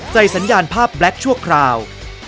สัญญาณภาพแล็คชั่วคราว